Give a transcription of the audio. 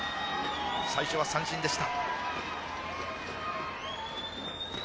最初は三振でした。